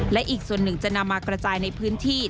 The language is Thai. และอีกส่วนหนึ่งจะนำมากระจายในพื้นที่